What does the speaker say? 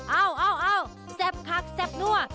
เอาแซ่บคักแซ่บนั่ว